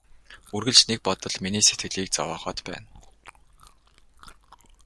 Үргэлж нэг бодол миний сэтгэлийг зовоогоод байна.